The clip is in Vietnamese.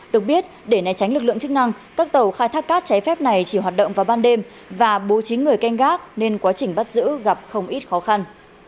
được biết để né tránh lực lượng chức năng các tàu khai thác cát cháy phép này chỉ hoạt động vào ban đêm và bố trí người canh gác nên quá trình bắt giữ gặp không ít khó khăn